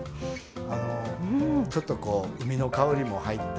あのちょっとこう海の香りも入って。